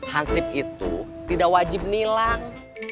hansib itu tidak wajib nilang